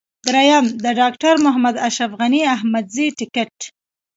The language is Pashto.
درېم: د ډاکټر محمد اشرف غني احمدزي ټکټ.